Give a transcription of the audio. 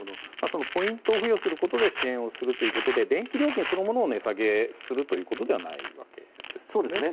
ポイントを付与することで支援するということで電気料金そのものを値下げするということではないわけですね。